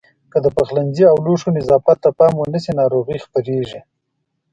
که د پخلنځي او لوښو نظافت ته پام ونه شي ناروغۍ خپرېږي.